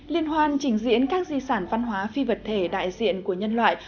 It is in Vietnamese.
liên hoàn chỉnh diễn các di sản văn hóa phi vật thể đại diện của nhân loại